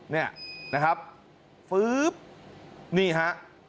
นี่นะครับนี่ฮะ